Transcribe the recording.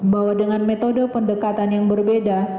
bahwa dengan metode pendekatan yang berbeda